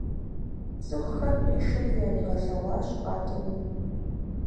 ЦӀыхухэр къишэри яригъэлъэгъуащ къатӀынур.